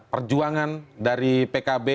perjuangan dari pkb